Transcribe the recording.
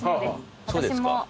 そうですか。